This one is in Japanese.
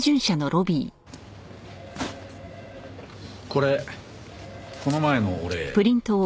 これこの前のお礼。